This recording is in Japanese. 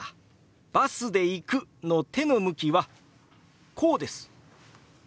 「バスで行く」の手の向きはこうです！